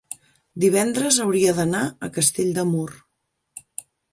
divendres hauria d'anar a Castell de Mur.